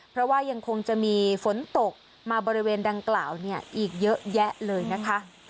เพราะว่ายังคงจะมีฝนตกมาบริเวณดังกล่าวอีกเยอะแยะเลยนะคะ